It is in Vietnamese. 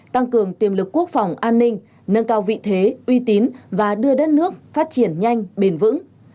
tăng cường tiềm lực quốc phòng an ninh nâng cao vị thế uy tín và đưa đất nước phát triển nhanh bền vững